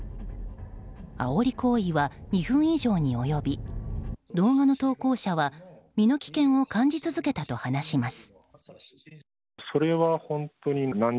あおり行為は２分以上に及び動画の投稿者は身の危険を感じ続けたと話します。